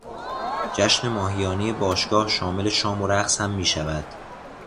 جشن ماهیانهی باشگاه شامل شام و رقص هم میشود.